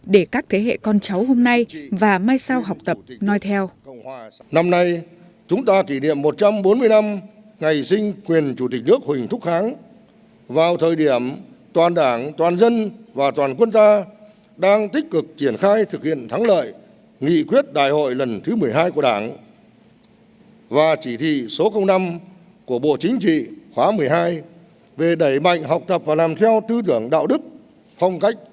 để các thế hệ con cháu hôm nay và mai sau học tập nói theo